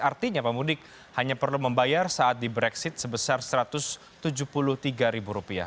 artinya pemudik hanya perlu membayar saat di brexit sebesar rp satu ratus tujuh puluh tiga